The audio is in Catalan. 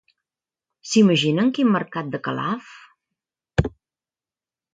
S'imaginen quin mercat de Calaf?